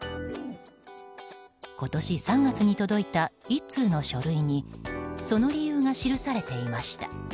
今年３月に届いた１通の書類にその理由が記されていました。